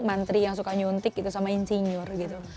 menteri yang suka nyuntik gitu sama insinyur gitu